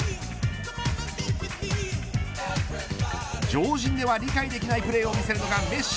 常人では理解できないプレーを見せるメッシ。